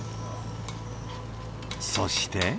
そして。